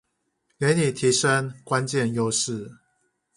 給你提升關鍵優勢